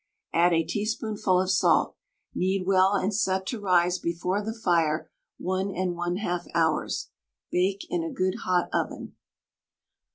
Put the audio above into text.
Add a teaspoonful of salt. Knead well and set to rise before the fire 1 1/2 hours. Bake in a good hot oven.